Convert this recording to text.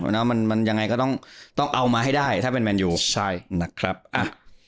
นะมันมันยังไงก็ต้องต้องเอามาให้ได้ถ้าเป็นแมนยูใช่นะครับอ่ะ